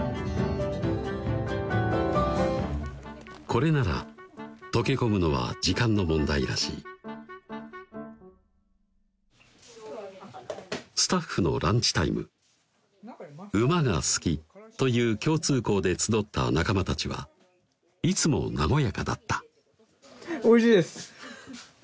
これなら溶け込むのは時間の問題らしいスタッフのランチタイム「馬が好き」という共通項で集った仲間たちはいつも和やかだったおいしいです！